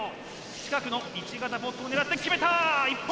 近くの１型ポットを狙って決めた１本！